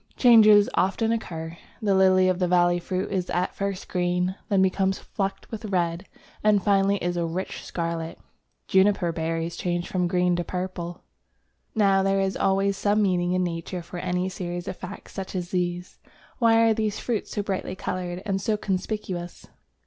Changes often occur. The Lily of the Valley fruit is at first green, then becomes flecked with red, and finally is a rich scarlet. Juniper berries change from green to purple. Now there is always some meaning in Nature for any series of facts such as these. Why are these fruits so brightly coloured and so conspicuous?